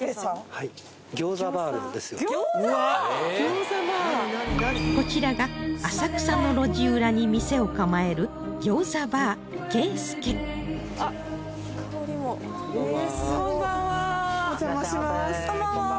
はいこちらが浅草の路地裏に店を構えるこんばんはこんばんはお邪魔します